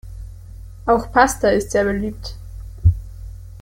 Auch Pasta ist sehr beliebt.